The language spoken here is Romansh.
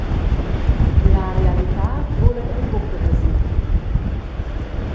La realitad vulan ei buca veser.»